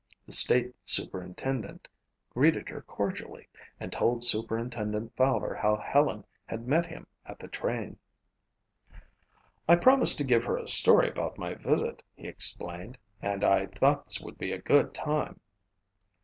The state superintendent greeted her cordially and told Superintendent Fowler how Helen had met him at the train. "I promised to give her a story about my visit," he explained, "and I thought this would be a good time."